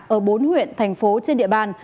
ở bốn huyện thành phố trên địa bàn